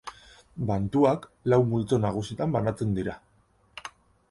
Bantuak lau multzo nagusitan banatzen dira.